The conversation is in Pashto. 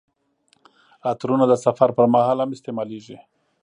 عطرونه د سفر پر مهال هم استعمالیږي.